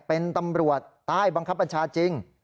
เป็นตำรวจใต้บังคับบัญชาจริง